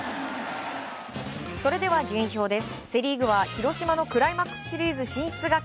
それでは順位表です。